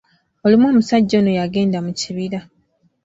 Olumu omusajja ono yagenda mu kibira.